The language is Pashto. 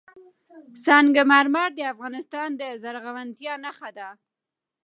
سنگ مرمر د افغانستان د زرغونتیا نښه ده.